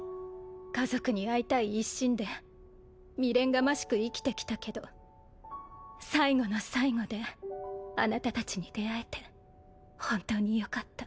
家族に会いたい一心で未練がましく生きてきたけど最後の最後であなたたちに出会えて本当によかった。